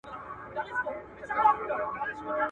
چي پيلان کوي، پيلخانې به جوړوي.